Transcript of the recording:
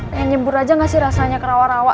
pengen nyembur aja gak sih rasanya kerawa rawa